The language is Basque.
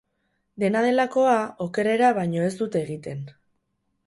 Dena delakoa, okerrera baino ez dut egiten.